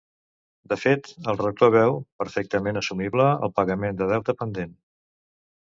De fet, el rector veu "perfectament assumible" el pagament de deute pendent.